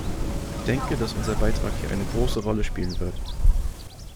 Ich denke, dass unser Beitrag hier eine große Rolle spielen wird.